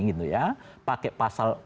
gitu ya pakai pasal